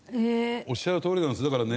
おっしゃるとおりなんですだからね